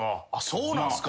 そうなんすか！？